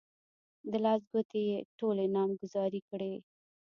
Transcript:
د لاس ګوتې يې ټولې نامګذاري کړې.